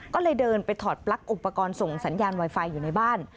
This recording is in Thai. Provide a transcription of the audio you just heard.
ก็เลยเดินไปถอดปลั๊กอุปกรณ์ส่งสัญญาณไวไฟอยู่ในบ้าน